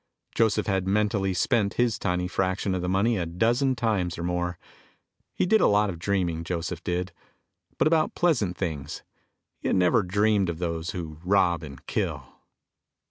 Joseph had mentally spent his tiny fraction of the money a dozen times or more. He did a lot of dreaming, Joseph did. But about pleasant things. He had never dreamed of those who rob and kill.